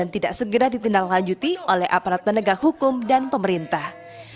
tidak segera ditindaklanjuti oleh aparat penegak hukum dan pemerintah